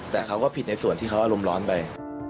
แต่เขาก็ผิดในส่วนที่เขาอารมณ์ร้อนไป